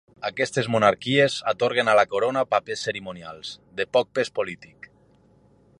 Aquestes monarquies atorguen a la corona papers cerimonials, de poc pes polític.